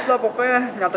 lo ketinggian buat gue